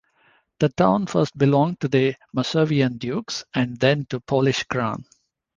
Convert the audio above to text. The town first belonged to the Masovian Dukes, and then to the Polish crown.